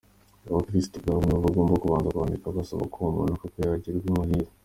Abakirisitu ubwabo ni bo bagomba kubanza kwandika, basaba ko uwo muntu koko yagirwa umuhire.